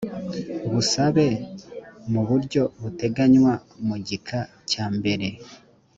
busabe mu buryo butegnywa mu gika cyambere